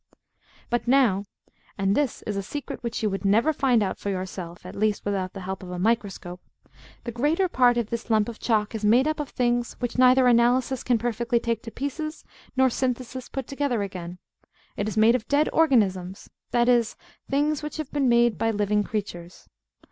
But now and this is a secret which you would never find out for yourself, at least without the help of a microscope the greater part of this lump of chalk is made up of things which neither Analysis can perfectly take to pieces, nor Synthesis put together again. It is made of dead organisms, that is, things which have been made by living creatures.